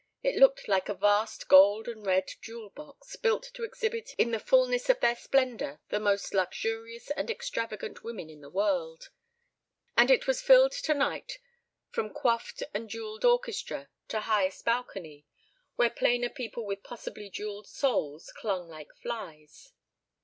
It looked like a vast gold and red jewel box, built to exhibit in the fullness of their splendor the most luxurious and extravagant women in the world. And it was filled tonight from coifed and jewelled orchestra to highest balcony, where plainer people with possibly jewelled souls clung like flies.